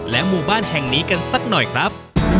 หมู่บ้านแห่งนี้กันสักหน่อยครับ